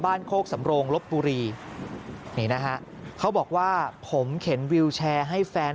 โคกสำโรงลบบุรีนี่นะฮะเขาบอกว่าผมเข็นวิวแชร์ให้แฟน